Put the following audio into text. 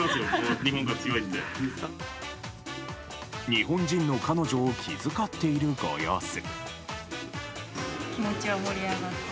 日本人の彼女を気遣っているご様子。